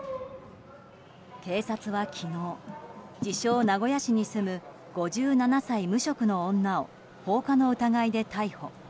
警察は昨日自称・名古屋市に住む５７歳無職の女を放火の疑いで逮捕。